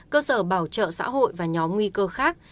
cơ sở bảo trợ xã hội và nhóm nguy cơ khác